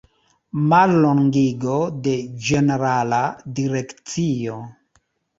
Mallongigo de Ĝenerala Direkcio.